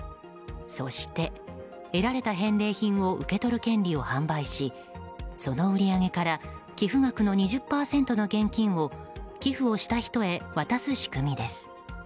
そして、得られた返礼品を受け取る権利を販売しその売り上げから寄付額の２０％の現金を寄付をした人へ渡す仕組みです。